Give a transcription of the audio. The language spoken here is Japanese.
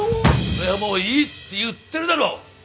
俺はもういいって言ってるだろ！